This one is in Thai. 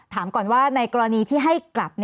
ถามก่อนว่าในกรณีที่ให้กลับ